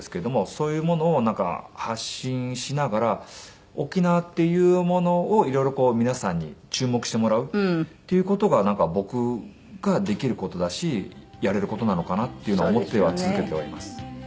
そういうものを発信しながら沖縄っていうものを色々皆さんに注目してもらうっていう事が僕ができる事だしやれる事なのかなっていうのは思っては続けてはいます。